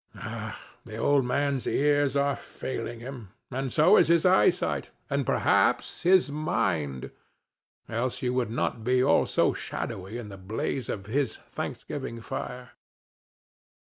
Ah! the old man's ears are failing him, and so is his eyesight, and perhaps his mind, else you would not all be so shadowy in the blaze of his Thanksgiving fire.